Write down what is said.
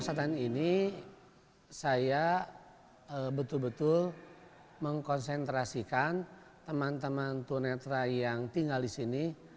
di podok posatan ini saya betul betul mengkonsentrasikan teman teman tunanetra yang tinggal di sini